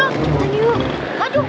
tengok yuk maju